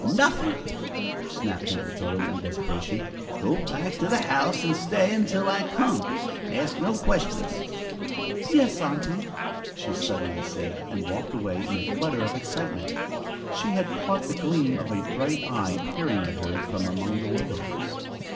"Nothing!" snapped Aunt Matilda in desperation. "Go back to the house and stay until I come. Ask no questions." Adnah searched the scene in mystification for a moment. "Yes, aunty," she suddenly said, and walked away in a flutter of excitement. She had caught the gleam of a bright eye peering at her from among the willows!